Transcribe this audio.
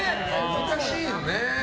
難しいよね。